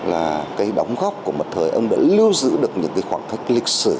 là cái đóng góc của một thời ông đã lưu giữ được những khoảng cách lịch sử